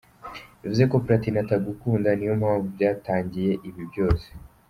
Bivuze ko Platini atagukunda niyo mpamvu byatangiye ibi byose?.